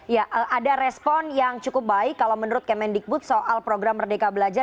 ya ada respon yang cukup baik kalau menurut kemendikbud soal program merdeka belajar